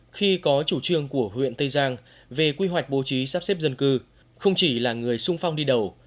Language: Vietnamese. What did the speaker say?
khi có chủ trương của huyện tây giang về quy hoạch bố trí sắp xếp dân cư không chỉ là người sung phong đi đầu